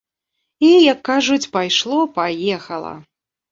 І, як кажуць, пайшло-паехала.